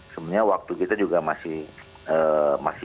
sebenarnya waktu kita juga masih